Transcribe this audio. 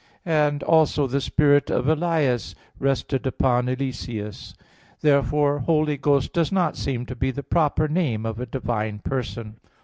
11:17) and also "The Spirit of Elias rested upon Eliseus" (4 Kings 2:15). Therefore "Holy Ghost" does not seem to be the proper name of a divine Person.